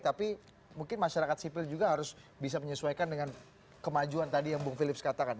tapi mungkin masyarakat sipil juga harus bisa menyesuaikan dengan kemajuan tadi yang bung philips katakan